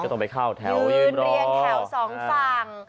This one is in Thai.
ต้องไปเข้าแถวยืนเรียงแถวสองฝั่ง